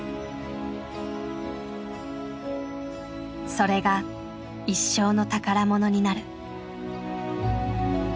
それが一生の宝物になる。